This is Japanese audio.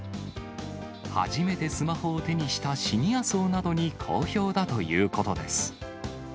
初めてスマホを手にしたシニア層などに好評だということです。